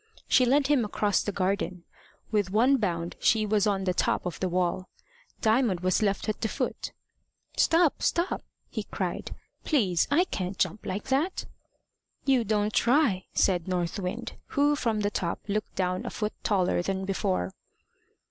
She led him across the garden. With one bound she was on the top of the wall. Diamond was left at the foot. "Stop, stop!" he cried. "Please, I can't jump like that." "You don't try" said North Wind, who from the top looked down a foot taller than before.